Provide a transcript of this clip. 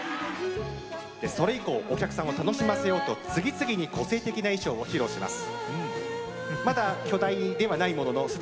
それ以降お客さんを楽しませようと次々に個性的な衣装を披露します。